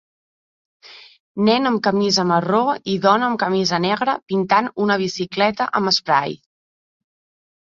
Nen amb camisa marró i dona amb camisa negra pintant una bicicleta amb esprai.